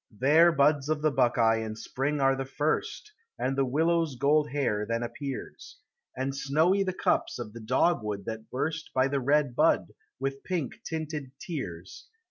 There buds of the buckeye in spring are the first, And the willow's gold hair then appears, And snowy the cups of the dogwood that burst By the red bud, with pink tinted tears.